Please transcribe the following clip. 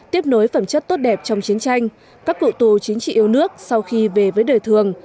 tiếp nối phẩm chất tốt đẹp trong chiến tranh các cựu tù chính trị yêu nước sau khi về với đời thường